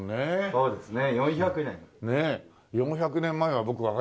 そうですね。